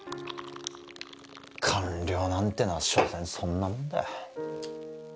官僚なんてのはしょせんそんなもんだよ